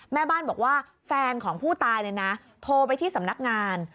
แม่บ้านบอกว่าแฟนของผู้ตายเนี่ยนะโทรไปที่สำนักงาน